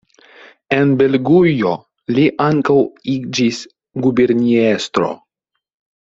En Belgujo li ankaŭ iĝis guberniestro.